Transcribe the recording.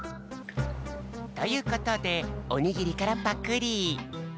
ということでおにぎりからパクリ。